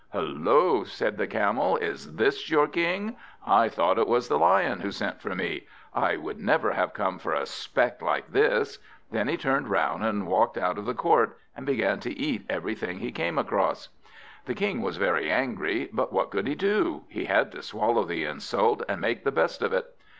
"Hullo," said the Camel, "is this your King? I thought it was the Lion who sent for me. I would never have come for a speck like this." Then he turned round, and walked out of court, and began to eat everything he came across. The King was very angry, but what could he do? He had to swallow the insult, and make the best of it.